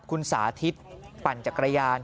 คุณสาธิตปั่นจักรยาน